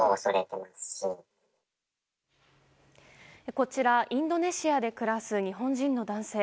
こちら、インドネシアで暮らす日本人の男性。